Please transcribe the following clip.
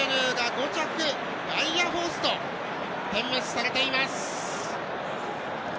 ５着、ガイアフォースと点滅されています。